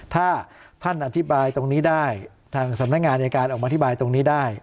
ถ้าท่านอธิบายตรงนี้ได้ทางสำนักงานอายการออกมาอธิบายตรงนี้ได้